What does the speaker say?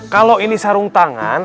kalau ini sarung tangan